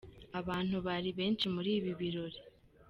Abantu bari benshi muri ibi birori.